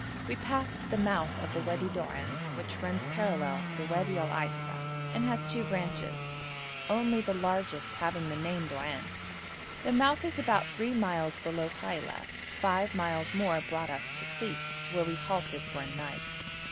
We passed the mouth of the Wadi Doan, which runs parallel to Wadi Al Aisa, and has two branches, only the largest having the name Doan. The mouth is about three miles below Khaila; five miles more brought us to Sief, where we halted for a night.